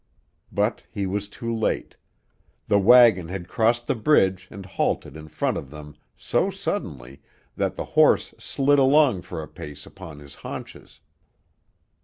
But he was too late. The wagon had crossed the bridge and halted in front of them so suddenly that the horse slid along for a pace upon his haunches.